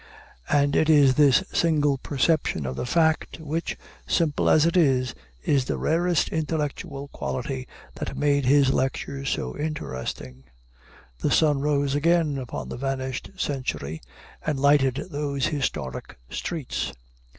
And it is this single perception of the fact which, simple as it is, is the rarest intellectual quality that made his lectures so interesting. The sun rose again upon the vanished century, and lighted those historic streets.